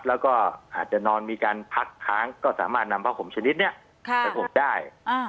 แล้วก็อาจจะนอนมีการพักค้างก็สามารถนำผ้าห่มชนิดนี้ไปอบได้